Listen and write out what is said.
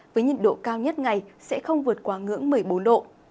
với nhiệt độ cao nhất ngày sẽ không vượt qua ngưỡng một mươi bốn độ